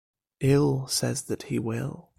Ill says that he will.